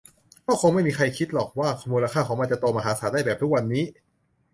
ก็คงไม่มีใครคิดหรอกว่ามูลค่าของมันจะโตมหาศาลได้แบบทุกวันนี้